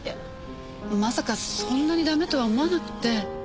まさかそんなにダメとは思わなくて。